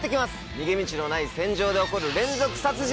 逃げ道のない船上で起こる連続殺人！